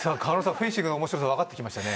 フェンシングの面白さわかってきましたね